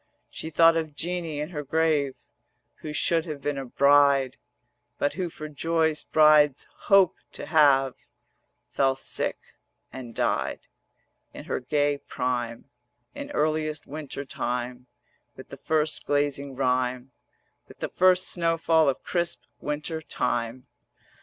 She thought of Jeanie in her grave, Who should have been a bride; But who for joys brides hope to have Fell sick and died In her gay prime, In earliest Winter time With the first glazing rime, With the first snow fall of crisp Winter time.